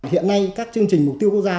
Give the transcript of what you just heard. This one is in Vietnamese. hiện nay các chương trình mục tiêu quốc gia